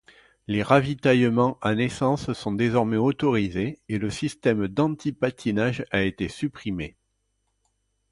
Les ravitaillements en essence sont désormais autorisés et le système d'antipatinage a été supprimé.